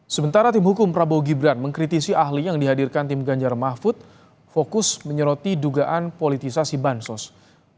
sementara tim hukum prabowo gibran mengkritisi ahli yang dihadirkan tim ganjar mahfud fokus menyeroti dugaan politisasi bansos